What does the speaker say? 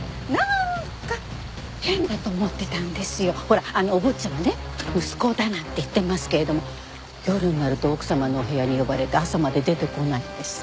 ほらあのお坊ちゃまね息子だなんて言ってますけれども夜になると奥様のお部屋に呼ばれて朝まで出てこないんです。